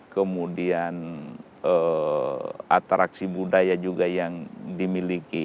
kemudian atraksi budaya juga yang dimiliki